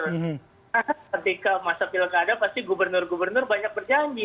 ketika masa pilkada pasti gubernur gubernur banyak berjanji